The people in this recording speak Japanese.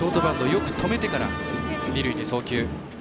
よく止めてから二塁に送球。